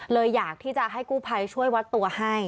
อยากที่จะให้กู้ภัยช่วยวัดตัวให้